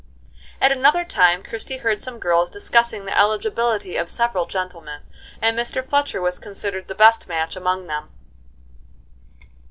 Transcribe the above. At another time Christie heard some girls discussing the eligibility of several gentlemen, and Mr. Fletcher was considered the best match among them.